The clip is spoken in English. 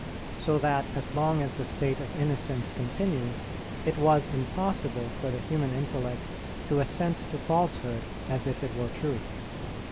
So that, as long as the state of innocence continued, it was impossible for the human intellect to assent to falsehood as if it were truth.